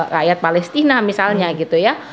rakyat palestina misalnya gitu ya